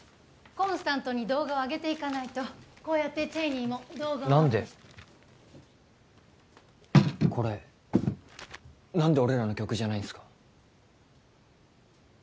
コンスタントに動画をあげていかないとこうやってＣＨＡＹＮＥＹも何でこれ何で俺らの曲じゃないんですか？